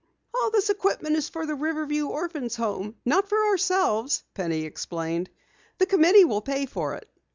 "All this equipment is for the Riverview Orphans' Home not for ourselves," Penny explained. "The committee will pay for it."